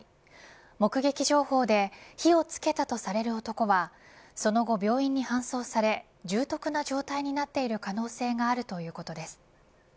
目撃情報で火をつけたとされる男はその後、病院に搬送され重篤な状態になっている可能性があるということです。